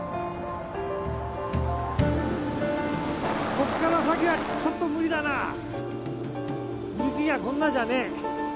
こっから先はちょっと無理だな雪がこんなじゃねえ